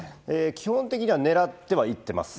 基本的には狙ってはいってます。